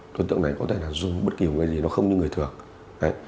đối tượng này có thể là dùng bất kỳ một cái gì nó không như người thường